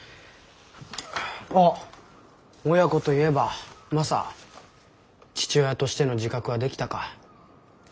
あっ親子と言えばマサ父親としての自覚はできたか？